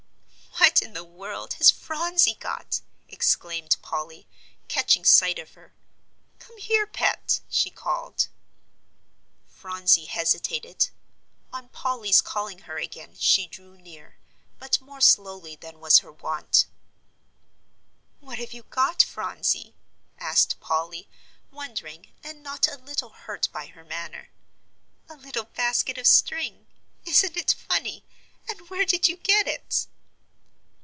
"What in the world has Phronsie got!" exclaimed Polly, catching sight of her. "Come here, Pet," she called. Phronsie hesitated. On Polly's calling her again she drew near, but more slowly than was her wont. "What have you got, Phronsie?" asked Polly, wondering and not a little hurt by her manner. "A little basket of string; isn't it funny, and where did you get it?"